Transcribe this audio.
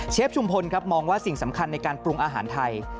ชุมพลครับมองว่าสิ่งสำคัญในการปรุงอาหารไทย